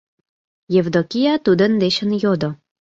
— Евдокия тудын дечын йодо.